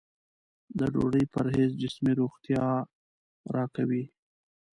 د ډوډۍ پرهېز جسمي روغتیا راکوي.